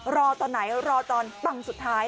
รอตอนไหนรอตอนปังสุดท้าย